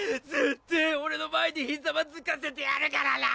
ってぇオレの前にひざまずかせてやるからな！